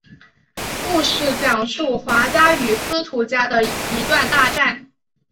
故事讲述华家与司徒家的一段大战。